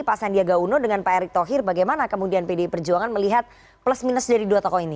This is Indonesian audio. pak sandiaga uno dengan pak erick thohir bagaimana kemudian pdi perjuangan melihat plus minus dari dua tokoh ini